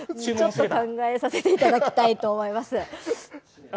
考えさせていただきたいと思います。